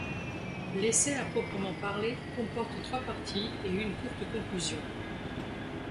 L'essai à proprement parler comporte trois parties et une courte conclusion.